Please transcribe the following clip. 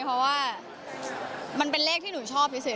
เพราะว่ามันเป็นเลขที่หนูชอบเฉย